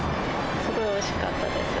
すごいおいしかったです。